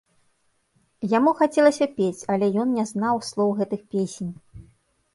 Яму хацелася пець, але ён не знаў слоў гэтых песень.